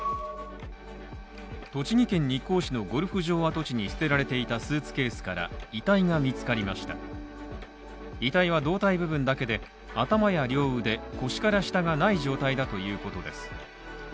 栃木県日光市のゴルフ場跡地に捨てられていたスーツケースから遺体が見つかりました遺体は胴体部分だけで頭や両腕腰から下がない状態だということです。